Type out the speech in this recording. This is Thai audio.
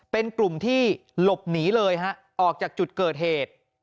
เป็นกลุ่มที่หลบหนีเลยฮะออกจากจุดเกิดเหตุ